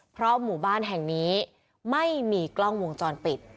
เพราะหมู่บ้านแห่งนี้ไม่มีกล้องวงจรปิด